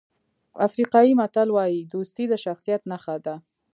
افریقایي متل وایي دوستي د شخصیت نښه ده.